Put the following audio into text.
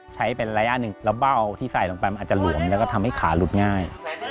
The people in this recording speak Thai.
ใช้เป็นระยะหนึ่งแล้วเบ้าที่ใส่ลงไปมันอาจจะหลวมแล้วก็ทำให้ขาหลุดง่าย